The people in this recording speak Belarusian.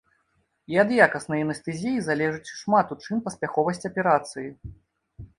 І ад якаснай анестэзіі залежыць шмат у чым паспяховасць аперацыі.